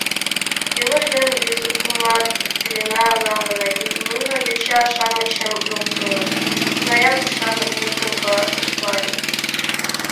— Генуш ден Лизукымат пеленна налына, нуно йоча-шамычым локтылыт, — тугаяк ушан мутым каласыш Валик.